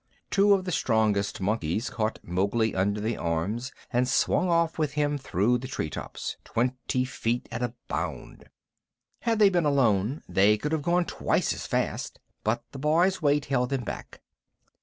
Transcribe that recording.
Two of the strongest monkeys caught Mowgli under the arms and swung off with him through the treetops, twenty feet at a bound. Had they been alone they could have gone twice as fast, but the boy's weight held them back.